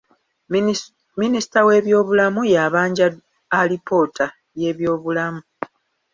Minisita w'ebyobulamu yabanja alipoota y'ebyobulamu.